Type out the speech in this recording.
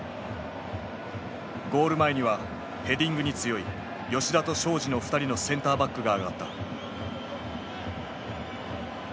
ゴール前にはヘディングに強い吉田と昌子の２人のセンターバックがあがった。